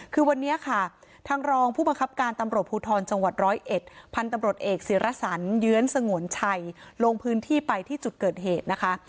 คือวันนี้ค่ะทางรองผู้บังคับการตำรวจภูทรจังหวัดร้อยเอ็ดพันธุ์ตำรวจเอกศิรสันเยื้อนสงวนชัยลงพื้นที่ไปที่จุดเกิดเหตุนะคะ